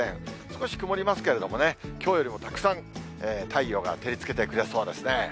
少し曇りますけれどもね、きょうよりもたくさん太陽が照りつけてくれそうですね。